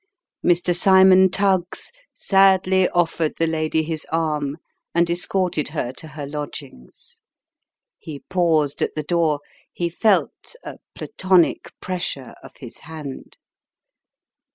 Mr. Cymon Tnggs sadly offered the lady his arm, and escorted her to her lodgings. He paused at the door he felt a Platonic pressure of his hand.